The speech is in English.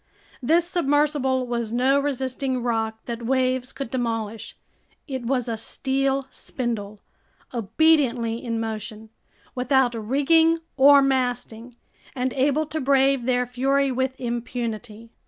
This submersible was no resisting rock that waves could demolish; it was a steel spindle, obediently in motion, without rigging or masting, and able to brave their fury with impunity.